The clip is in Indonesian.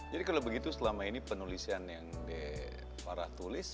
kalau begitu selama ini penulisan yang diparah tulis